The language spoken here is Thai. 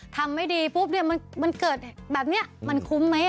ทำไม่ดีปุ๊บมันเกิดแบบนี้มันคุ้มไหม